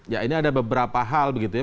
ya ini ada beberapa hal begitu ya